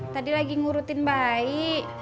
tadi lagi ngurutin bayi